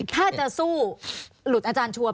ถ้าจะสู้หลุดอาจารย์ชวน